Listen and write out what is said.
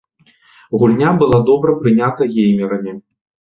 Гульня была добра прынята геймерамі.